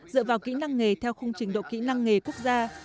dựa vào kỹ năng nghề theo khung trình độ kỹ năng nghề quốc gia